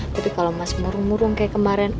tapi kalo mas murung murung kayak kemarin